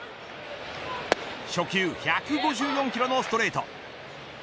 初球、１５４キロのストレート。